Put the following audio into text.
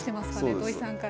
土井さんから。